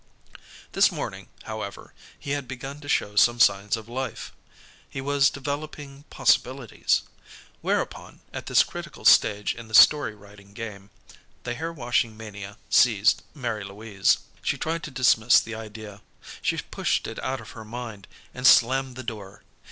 This morning, however, he had begun to show some signs of life. He was developing possibilities. Whereupon, at this critical stage in the story writing game, the hair washing mania seized Mary Louise. She tried to dismiss the idea. She pushed it out of her mind, and slammed the door.